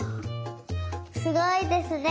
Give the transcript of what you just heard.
すごいですね！